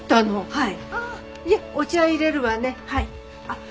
はい。